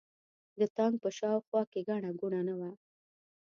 د تانک په شا او خوا کې ګڼه ګوڼه نه وه.